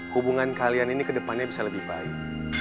hubungan kalian ini ke depannya bisa lebih baik